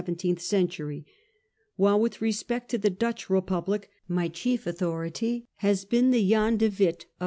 in the 17 th Century;* while with respect to the Dutch Republic, my chief authority has been the ' Jean de Witt * of M.